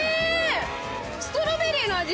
ストロベリーの味